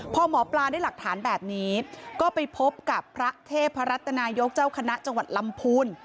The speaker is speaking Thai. พอหมอปลาได้หลักฐานแบบนี้ก็ไปพบกับพระเทพรัตนายกเจ้าคณะจังหวัดลำพูน